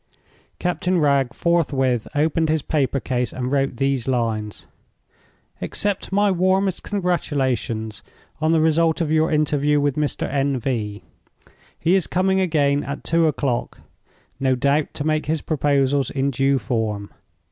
Captain Wragge forthwith opened his paper case and wrote these lines: "Accept my warmest congratulations on the result of your interview with Mr. N. V. He is coming again at two o'clock—no doubt to make his proposals in due form.